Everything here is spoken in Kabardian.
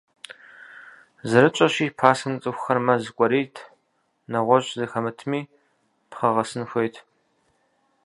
Зэрытщӏэщи, пасэм цӏыхухэр мэз кӏуэрейт, нэгъуэщӏ зы хэмытми, пхъэгъэсын хуейт.